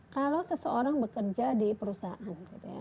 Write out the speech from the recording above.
kalau seseorang bekerja di perusahaan gitu ya